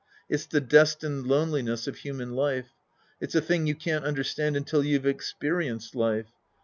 It's the destined loneli ness of human life. It's a thing you can't understand until you've experienced life.